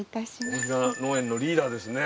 大平農園のリーダーですね。